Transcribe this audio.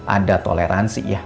ada toleransi ya